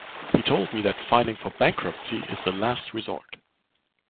He told me that filing for bankruptcy is the last resort.